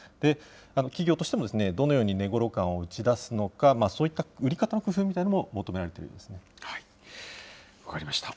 企業としてもどのように値ごろ感を打ち出すのか、そういった売り方の工夫みたいなものも求められ分かりました。